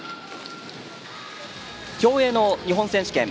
競泳の日本選手権。